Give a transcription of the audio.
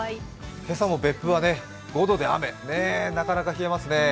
今朝も別府は５度で雨、なかなか冷えますね。